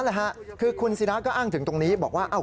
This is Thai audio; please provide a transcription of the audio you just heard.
นั่นแหละค่ะคุณศิละก็อ้างถึงตรงนี้บอกว่า